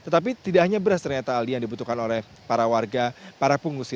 tetapi tidak hanya beras ternyata aldi yang dibutuhkan oleh para warga para pengungsi